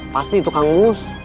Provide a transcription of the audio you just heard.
pasti itu kang mus